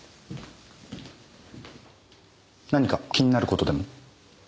何か気になる事でも？